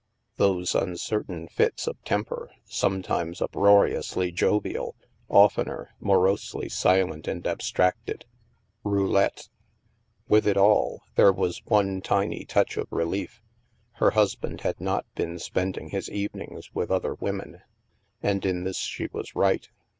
Those uncertain fits of temper, sometimes up roariously jovial, oftener morosely silent and ab stracted ! Roulette. With it all, there was one tiny touch of relief. Her husband had not been spending his evenings with other women. And in this she was right.